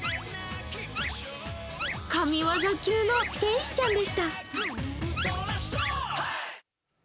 神業級の天使ちゃんでした。